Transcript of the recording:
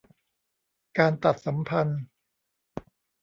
การตัดสัมพันธ์